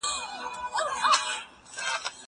زه به مکتب ته تللي وي!؟